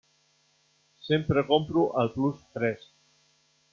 Sempre compro al Plus Fresc.